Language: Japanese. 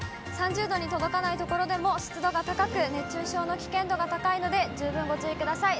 ３０度に届かない所でも、湿度が高く、熱中症の危険度が高いので十分ご注意ください。